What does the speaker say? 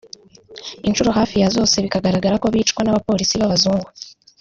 inshuro hafi ya zose bikagaragarako bicwa n’abapolisi b’abazungu